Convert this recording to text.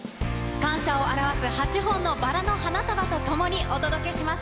感謝を表す８本のバラの花束とともにお届けします。